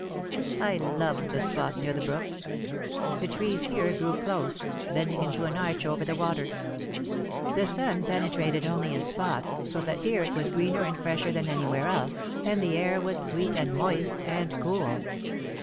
I loved the spot near the brook. The trees here grew close, bending into an arch over the water. The sun pene trated only in spots so that here it was greener and fresher than anywhere else and the air was sweet and moist and cool.